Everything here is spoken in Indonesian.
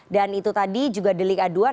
dan itu tadi juga delik aduan